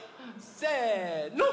せの！